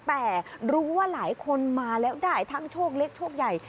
แต่รู้ว่าหลายคนมาแล้วได้ทั้งโชคเล็กโชคใหญ่